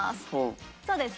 そうです。